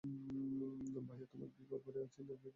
ভায়া, তোমার কি ঘর-বাড়ি আছে, নাকি এখানেই থাকবে, ঘরজামাই হয়ে?